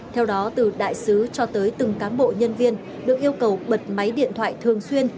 theo đó từ đại sứ cho tới từng cán bộ nhân viên được yêu cầu bật máy điện thoại thường xuyên